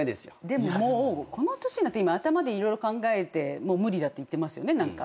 でももうこの年になって今頭で色々考えて無理だって言ってますよね何か。